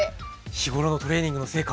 日頃のトレーニングの成果。